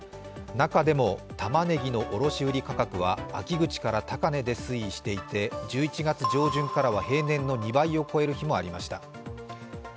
中でもたまねぎの卸売価格は秋口から高値で推移していて１１月上旬からは平年の２倍を超える日もありました。